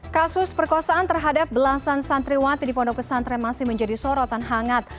kasus perkosaan terhadap belasan santriwati di pondok pesantren masih menjadi sorotan hangat